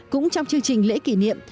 cũng trong chương trình lễ kỷ niệm